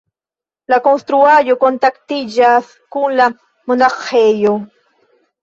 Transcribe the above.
La konstruaĵo kontaktiĝas kun la monaĥejo.